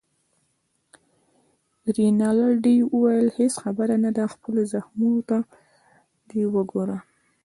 رینالډي وویل: هیڅ خبره نه ده، خپلو زخمو ته دې وګوره.